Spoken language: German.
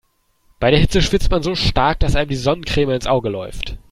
Bei der Hitze schwitzt man so stark, dass einem die Sonnencreme ins Auge läuft.